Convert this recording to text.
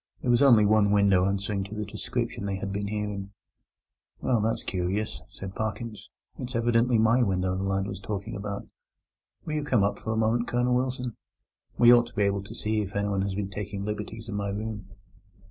There was only one window answering to the description they had been hearing. "Well, that's curious," said Parkins; "it's evidently my window the lad was talking about. Will you come up for a moment, Colonel Wilson? We ought to be able to see if anyone has been taking liberties in my room."